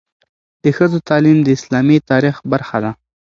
د ښځو تعلیم د اسلامي تاریخ برخه ده.